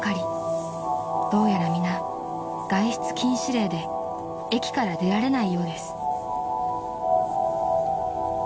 ［どうやら皆外出禁止令で駅から出られないようです］